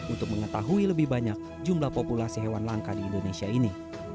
untuk mengetahui lebih banyak jumlah populasi hewan langka di indonesia ini